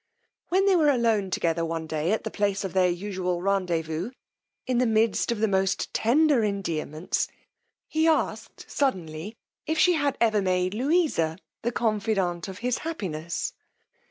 When they were alone together one day at the place of their usual rendezvous, in the midst of the most tender endearments, he asked suddenly if she had ever made Louisa the confident of his happiness.